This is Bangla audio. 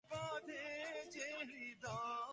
পাপ বা খারাপ সম্পর্কে আমাদের কোন মতবাদ নেই।